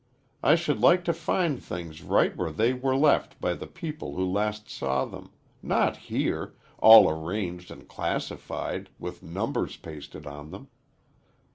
I should like to find things right where they were left by the people who last saw them not here, all arranged and classified, with numbers pasted on them.